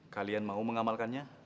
kalian mau mengamalkannya